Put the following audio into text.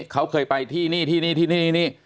เขาเคยไปที่นี่ที่นี่ที่นี่นี่